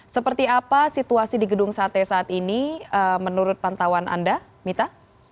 seperti apa situasi di gedung sate saat ini menurut pantauan anda mita